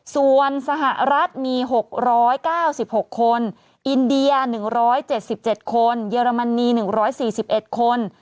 ส่วนสหรัฐมี๖๙๖คนอินเดีย๑๗๗คนเยอรมนี๑๔๑คน